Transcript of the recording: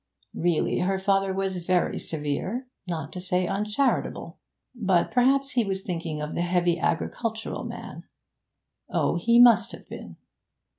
Really, her father was very severe, not to say uncharitable. But perhaps he was thinking of the heavy agricultural man; oh, he must have been!